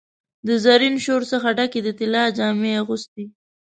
د زرین شور څخه ډکي، د طلا جامې اغوستي